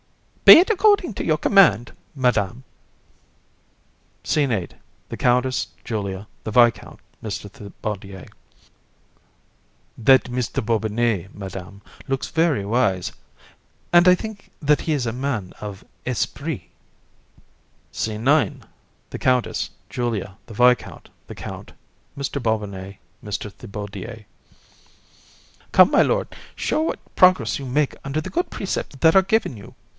BOB. Be it according to your command, Madam. (Exit) SCENE XVIII. THE COUNTESS, JULIA, THE VISCOUNT, MR. THIBAUDIER. THI. (to the COUNTESS). That Mr. Bobinet, Madam, looks very wise, and I think that he is a man of esprit. SCENE XIX. THE COUNTESS, JULIA, THE VISCOUNT, THE COUNT, MR. BOBINET, MR. THIBAUDIER. BOB. Come, my Lord, show what progress you make under the good precepts that are given you.